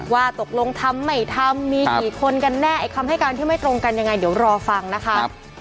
ว่าตกลงทำไม่ทำมีกี่คนกันแน่ไอ้คำให้การที่ไม่ตรงกันยังไงเดี๋ยวรอฟังนะคะ